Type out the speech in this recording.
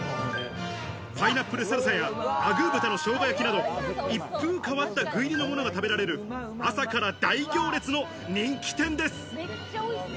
パイナップルサルサや、アグー豚の生姜焼きなど一風変わったグリルのものが食べられる、朝から大行列の人気店です。